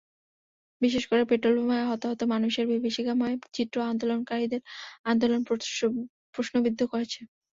বিশেষ করে পেট্রলবোমায় হতাহত মানুষের বিভীষিকাময় চিত্র আন্দোলনকারীদের আন্দোলনকে প্রশ্নবিদ্ধ করেছে।